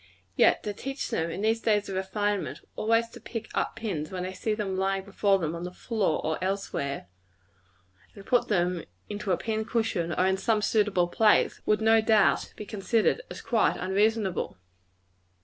Yet, to teach them, in these days of refinement, always to pick up pins when they see them lying before them on the floor or elsewhere, and put them into a pin cushion, or in some suitable place, would no doubt be considered as quite unreasonable.